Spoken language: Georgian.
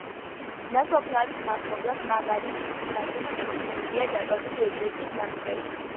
ნასოფლარის მახლობლად, მაღალი მთის თავზე, შემორჩენილია დარბაზული ეკლესიის ნანგრევი.